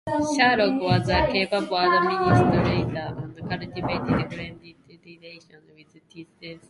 Sherlock was a capable administrator and cultivated friendly relations with Dissenters.